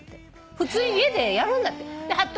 普通に家でやるんだって。